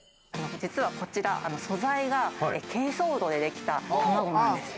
実はこちら、素材が珪藻土でできた卵なんです。